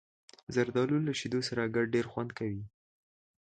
زردالو له شیدو سره ګډ ډېر خوند کوي.